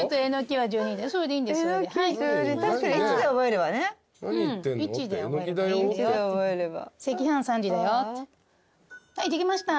はいできました。